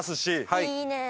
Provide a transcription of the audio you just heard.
いいね。